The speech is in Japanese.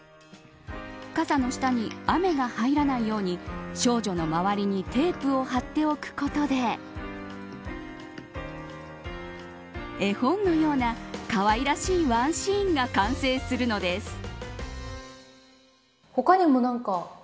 傘の下に雨が入らないように少女の周りにテープを貼っておくことで絵本のようなかわいらしいワンシーンが完成するのです。